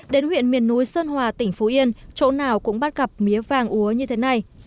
đến huyện miền núi sơn hòa tỉnh phú yên chỗ nào cũng bắt gặp mía vàng úa như thế này